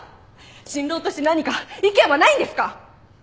新郎として何か意見はないんですか！？